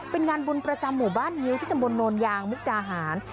เป็นงานบุญประจำหมู่บ้านงิ้วที่ตำบลโนนยางมุกดาหาร